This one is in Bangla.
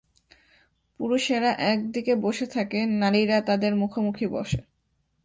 পুরুষেরা একদিকে বসে থাকে, নারীরা তাদের মুখোমুখি বসে।